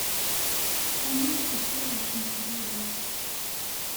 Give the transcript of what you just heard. Sami yetteddu ɣer tmesgida.